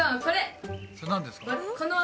それなんですか？